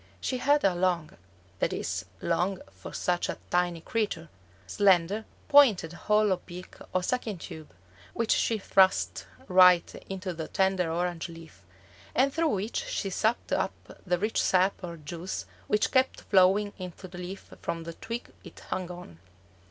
She had a long (that is, long for such a tiny creature), slender, pointed hollow beak or sucking tube, which she thrust right into the tender orange leaf, and through which she sucked up the rich sap or juice which kept flowing into the leaf from the twig it hung on.